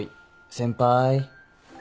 先輩？